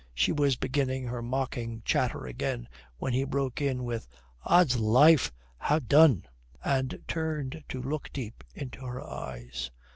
She was beginning her mocking chatter again when he broke in with, "Ods life, ha' done!" and turned to look deep into her eyes.